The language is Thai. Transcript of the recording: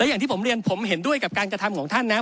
อย่างที่ผมเรียนผมเห็นด้วยกับการกระทำของท่านนะ